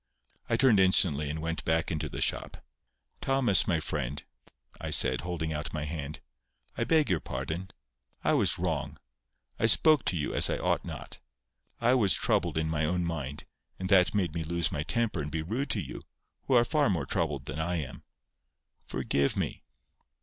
I turned instantly and went back into the shop. "Thomas, my friend," I said, holding out my hand, "I beg your pardon. I was wrong. I spoke to you as I ought not. I was troubled in my own mind, and that made me lose my temper and be rude to you, who are far more troubled than I am. Forgive me!"